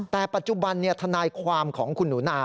แต่ปัจจุบันทนายความของคุณหนูนา